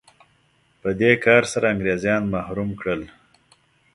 په دې کار سره انګرېزان محروم کړل.